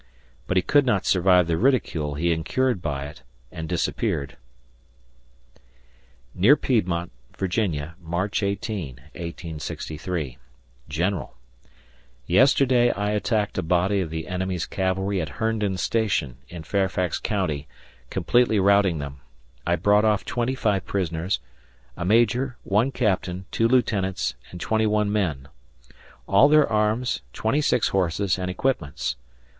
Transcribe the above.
But he could not survive the ridicule he incurred by it and disappeared. Near Piedmont, Va., March 18, 1863. General: Yesterday I attacked a body of the enemy's cavalry at Herndon Station, in Fairfax County, completely routing them. I brought off twenty five prisoners a major, one captain, two lieutenants, and twenty one men, all their arms, twenty six horses, and equipments.